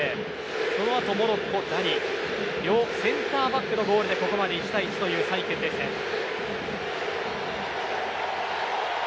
そのあとモロッコ、ダリ両センターバックのゴールで１対１という３位決定戦です。